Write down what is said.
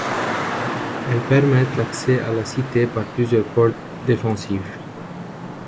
Elles permettent l'accès à la cité par plusieurs portes défensives.